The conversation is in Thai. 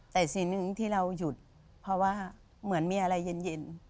แต่สิ่งหนึ่งที่เราหยุดเพราะว่าเหมือนมีอะไรเย็น